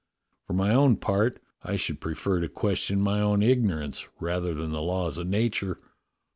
^ For my own part, I should prefer to question my own ignorance rather than the laws of nature."